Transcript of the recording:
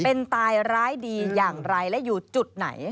เป็นตายร้ายดีอย่างไรและอยู่จุดไหน